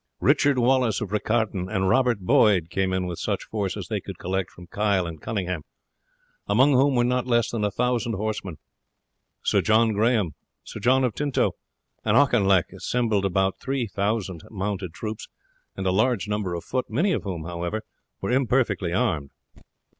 Richard Wallace of Riccarton and Robert Boyd came in with such force as they could collect from Kyle and Cunningham, among whom were not less than 1000 horsemen. Sir John Grahame, Sir John of Tinto, and Auchinleck assembled about 3000 mounted troops and a large number of foot, many of whom, however, were imperfectly armed.